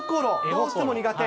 どうしても苦手。